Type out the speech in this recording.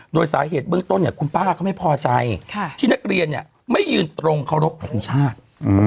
โดยสาเหตุเบื้องต้นเนี่ยคุณป้าเขาไม่พอใจที่นักเรียนไม่ยืนตรงเคารพแห่งชาติ